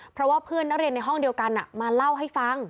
เพราะว่าเพื่อนนักเรียนในห้องเดียวกันมาเล่าให้ฟัง